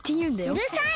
うるさい！